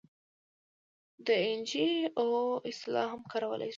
د این جي او اصطلاح هم کارولی شو.